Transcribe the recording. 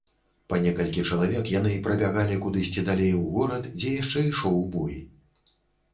Па некалькі чалавек яны прабягалі кудысьці далей у горад, дзе яшчэ ішоў бой.